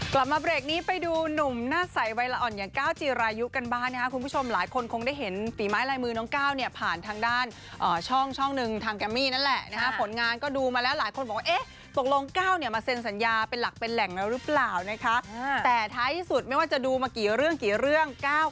กลับมาเบรกนี้ไปดูหนุ่มหน้าใสวัยละอ่อนอย่างก้าวจีรายุกันบ้างนะครับคุณผู้ชมหลายคนคงได้เห็นฝีไม้ลายมือน้องก้าวเนี่ยผ่านทางด้านช่องช่องหนึ่งทางแกมมี่นั่นแหละนะฮะผลงานก็ดูมาแล้วหลายคนบอกว่าเอ๊ะตกลงก้าวเนี่ยมาเซ็นสัญญาเป็นหลักเป็นแหล่งแล้วหรือเปล่านะคะแต่ท้ายที่สุดไม่ว่าจะดูมากี่เรื่องกี่เรื่อง